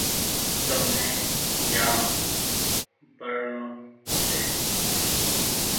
تمني جآم پڙڻو ڇي۔